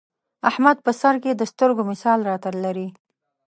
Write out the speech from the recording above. احمد په سرکې د سترګو مثال را ته لري.